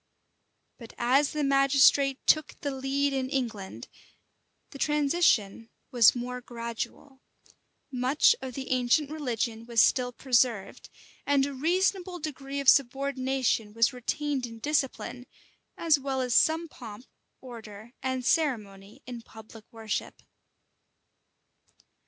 But as the magistrate took the lead in England, the transition was more gradual; much of the ancient religion was still preserved, and a reasonable degree of subordination was retained in discipline, as well as some pomp, order, and ceremony in public worship.